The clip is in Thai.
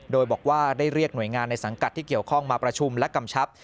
โดยบอกว่าได้เรียกหน่วยงานในสังกัดที่เกี่ยวข้องมาประชุมและกำชับ